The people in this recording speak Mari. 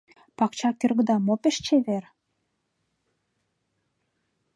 - Пакча кӧргыда мо пеш чевер?